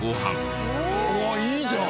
いいじゃん！